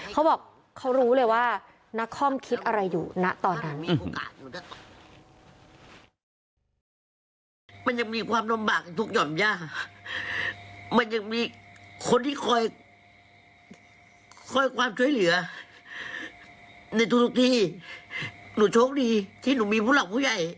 เขาบอกเขารู้เลยว่านักคอมคิดอะไรอยู่ณตอนนั้น